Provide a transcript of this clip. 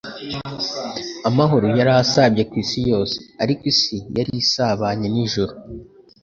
Amahoro yari asabye ku isi yose, ariko isi yari isabanye n'ijuru.